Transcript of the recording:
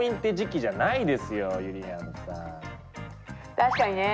確かにねえ！